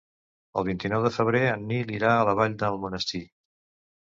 El vint-i-nou de febrer en Nil irà a la Vall d'Almonesir.